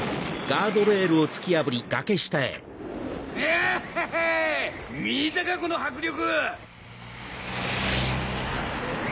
ワッハハ見たかこの迫力！